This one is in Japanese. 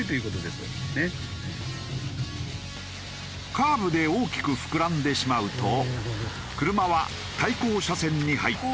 カーブで大きく膨らんでしまうと車は対向車線に入ってしまう。